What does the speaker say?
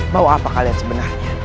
bahwa apa kalian sebenarnya